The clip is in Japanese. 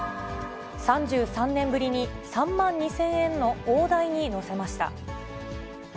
３３年ぶりに３万２０００円の大台に乗せました。